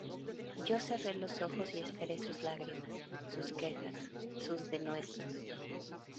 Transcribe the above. yo cerré los ojos y esperé sus lágrimas, sus quejas , sus denuestos